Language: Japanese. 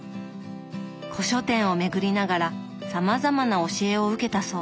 古書店を巡りながらさまざまな教えを受けたそう。